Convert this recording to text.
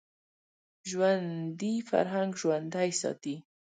ژوندي فرهنګ ژوندی ساتي